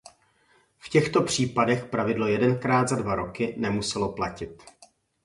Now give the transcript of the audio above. V těchto případech pravidlo „jedenkrát za dva roky“ nemuselo platit.